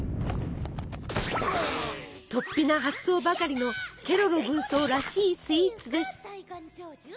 とっぴな発想ばかりのケロロ軍曹らしいスイーツです。